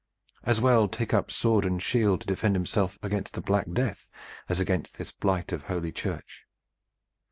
As well take up sword and shield to defend himself against the black death, as against this blight of Holy Church.